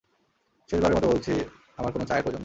শেষবারের মতো বলছি, আমার কোনো চায়ের প্রয়োজন নেই!